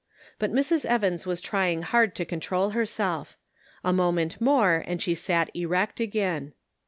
Bat Mrs. Evaus was trying hard to control herself. A moment more and she sat erect again.